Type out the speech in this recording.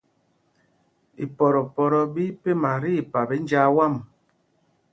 Ipoto ɓí pɛna tí ipap í njāā wām.